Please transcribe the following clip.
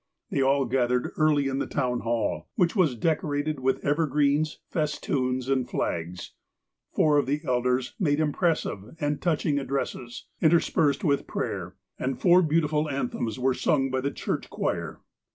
They all gathered early in the town hall, which was decorated with evergreens, festoons, and flags. Four of the elders made impressive and touching addresses, inter spersed with prayer, and four beautiful anthems were sung by the church choir.